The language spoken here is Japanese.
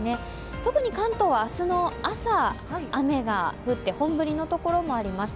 特に関東は明日の朝、雨が降って本降りの所もあります。